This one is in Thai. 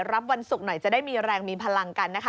วันศุกร์หน่อยจะได้มีแรงมีพลังกันนะคะ